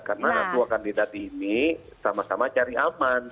karena dua kandidat ini sama sama cari aman